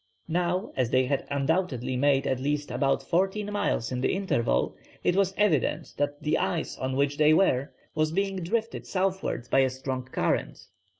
Now, as they had undoubtedly made at least about fourteen miles in the interval, it was evident that the ice on which they were was being drifted southwards by a strong current.